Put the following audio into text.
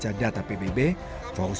tidak ada yang mencari penulisan buku